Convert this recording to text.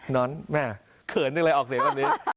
น้อนแม่เผินนึงอะไรออกเสร็จวันนี้